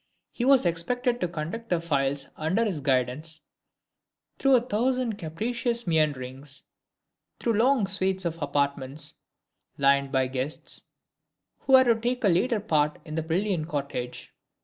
He was expected to conduct the files under his guidance through a thousand capricious meanderings, through long suites of apartments lined by guests, who were to take a later part in this brilliant cortege.